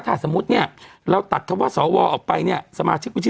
ถ้าสมมุติเนี่ยเราตัดคำว่าสวออกไปเนี่ยสมาชิกวิชิ